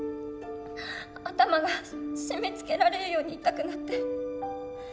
頭が締めつけられるように痛くなって。